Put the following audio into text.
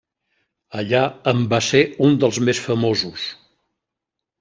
Allà en va ser un dels més famosos.